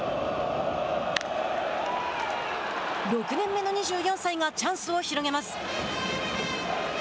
６年目の２４歳がチャンスを広げます。